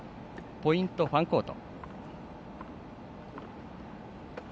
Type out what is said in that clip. ポイント、ファンコート。